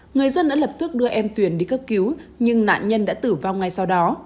người dân đã lập tức đưa em tuyền đi cấp cứu nhưng nạn nhân đã tử vong ngay sau đó